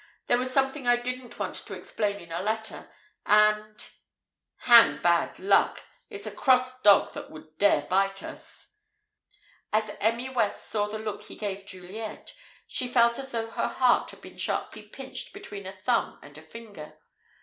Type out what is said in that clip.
There was something I didn't want to explain in a letter, and hang 'bad luck!' It's a cross dog that would dare bite us." As Emmy West saw the look he gave Juliet, she felt as though her heart had been sharply pinched between a thumb and a finger.